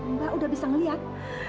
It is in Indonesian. mbak udah bisa ngeliat